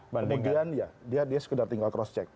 kemudian ya dia sekedar tinggal cross check